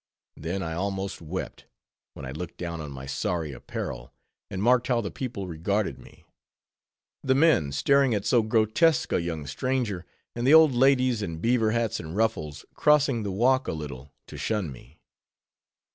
Then I almost wept, when I looked down on my sorry apparel, and marked how the people regarded me; the men staring at so grotesque a young stranger, and the old ladies, in beaver hats and ruffles, crossing the walk a little to shun me.